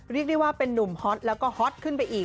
เรียกได้ว่าเป็นนุ่มฮอตแล้วก็ฮอตขึ้นไปอีก